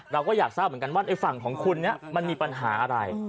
เราก็อยากทราบเหมือนกันว่าไอ้ฝั่งของคุณเนี่ยมันมีปัญหาอะไร